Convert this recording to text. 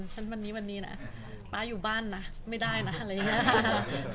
ฉันวันนี้วันนี้นะป๊าอยู่บ้านนะไม่ได้นะอะไรอย่างนี้ค่ะ